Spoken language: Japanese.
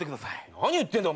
何言ってんだよ？